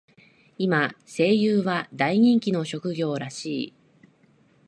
今、声優は大人気の職業らしい。